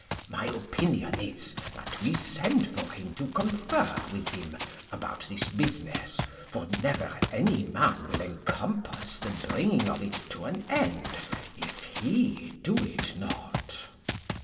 My opinion is, that we send for him to confer with him about this business; for never any man will encompass the bringing of it to an end if he do it not.